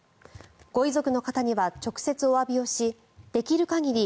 ご遺族の方には直接おわびをしできる限り